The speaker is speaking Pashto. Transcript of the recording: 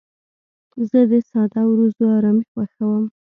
زه د ساده ورځو ارامي خوښوم.